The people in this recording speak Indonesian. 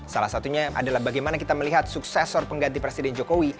salah satunya adalah bagaimana kita melihat suksesor pengganti presiden jokowi